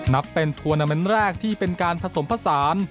นับเป็นทัวร์นาเมนต์แรกที่เป็นการผสมผสาน